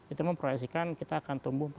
itu memproyeksikan kita akan tumbuh